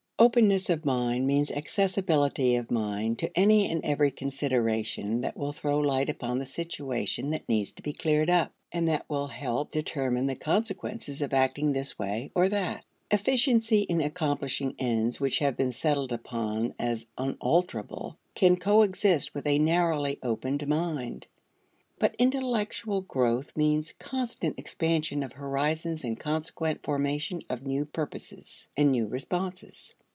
Openness of mind means accessibility of mind to any and every consideration that will throw light upon the situation that needs to be cleared up, and that will help determine the consequences of acting this way or that. Efficiency in accomplishing ends which have been settled upon as unalterable can coexist with a narrowly opened mind. But intellectual growth means constant expansion of horizons and consequent formation of new purposes and new responses.